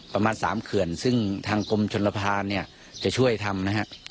ประมาณสามเขื่อนซึ่งทางกลมชนภาพจะช่วยทำ